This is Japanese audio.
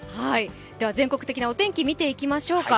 全国的なお天気を見ていきましょうか。